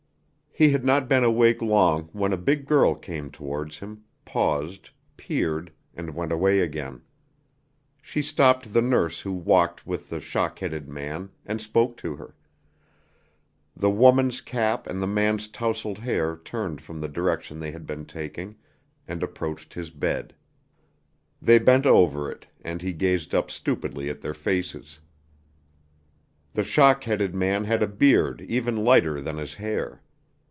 He had not been awake long when a big girl came towards him, paused, peered, and went away again. She stopped the nurse who walked with the shock headed man, and spoke to her. The woman's cap and the man's tousled hair turned from the direction they had been taking, and approached his bed. They bent over it, and he gazed up stupidly at their faces. The shock headed man had a beard even lighter than his hair.